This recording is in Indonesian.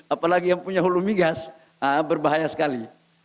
apalagi yang punya hulu migas berbahaya sekali